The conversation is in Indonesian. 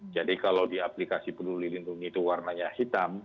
jadi kalau di aplikasi peduli lindungi itu warnanya hitam